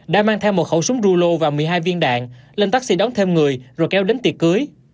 đã mang theo một khẩu súng rulo và một mươi hai viên đạn lên taxi đón thêm người rồi kéo đến tiệc cưới